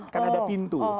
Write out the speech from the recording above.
kan ada pintu